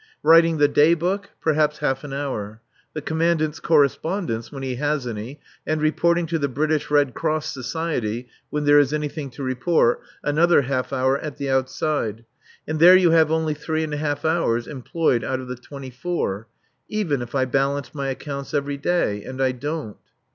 Writing the Day Book perhaps half an hour. The Commandant's correspondence, when he has any, and reporting to the British Red Cross Society, when there is anything to report, another half hour at the outside; and there you have only three and a half hours employed out of the twenty four, even if I balanced my accounts every day, and I don't.